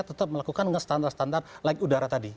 tetap melakukan dengan standar standar laik udara tadi